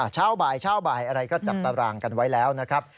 เช้าบ่ายเช้าบ่ายอะไรก็จัดตารางกันไว้แล้วนะครับ